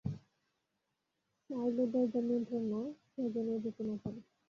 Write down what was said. Silo দরজার নিয়ন্ত্রণ নাও, সে যেনো যেতে না পারে।